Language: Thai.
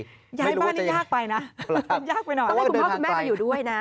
ย้ายบ้านนี่ยากไปนะยากไปหน่อยต้องให้คุณพ่อคุณแม่มาอยู่ด้วยนะจริง